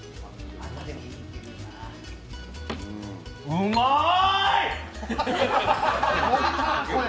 うまい！